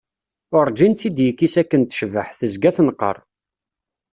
Urǧin tt-id-yekkis akken tecbaḥ, tezga tenqer.